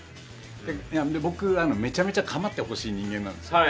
僕、めちゃめちゃ構ってほしい人間なんです。